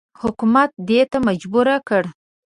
حکومت دې ته مجبور کړ.